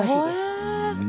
へえ。